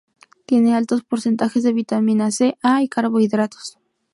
Tiene altos porcentajes de vitamina C, A y carbohidratos.